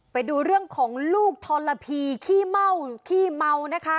ไปดูเรื่องของลูกทรพีขี้เม่าขี้เมานะคะ